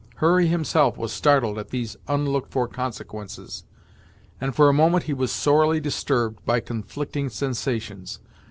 Hurry himself was startled at these unlooked for consequences, and for a moment he was sorely disturbed by conflicting sensations.